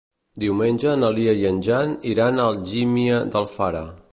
Diumenge na Lia i en Jan iran a Algímia d'Alfara.